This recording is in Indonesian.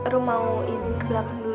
rum mau izin ke belakang dulu ya